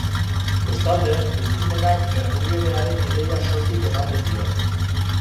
Bestalde, ukimenak erliebearen ideia soilik ematen dio.